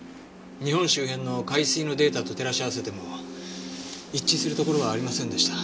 日本周辺の海水のデータと照らし合わせても一致するところはありませんでした。